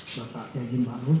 bapak yajin barut